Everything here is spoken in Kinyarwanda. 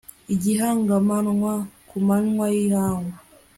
igihangamanywa ku manywa y'ihangu